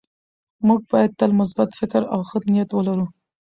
موږ باید تل مثبت فکر او ښه نیت ولرو